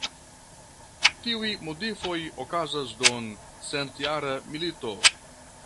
Tiuj modifoj okazas dum Centjara milito.